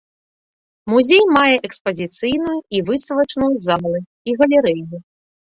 Музей мае экспазіцыйную і выставачную залы і галерэю.